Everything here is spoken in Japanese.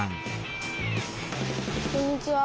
こんにちは。